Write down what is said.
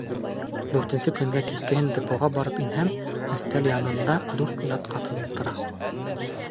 Дүртенсе көнгә кискеһен депоға барып инһәм, өҫтәл янында дүрт ят ҡатын ултыра.